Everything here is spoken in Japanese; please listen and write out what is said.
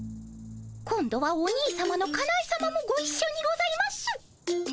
今度はお兄さまのかなえさまもごいっしょにございます。